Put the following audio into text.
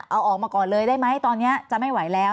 เอาออกมาก่อนเลยได้ไหมตอนนี้จะไม่ไหวแล้ว